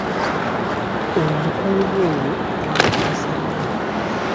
Olukuubo olwo lwantiisa nnyo.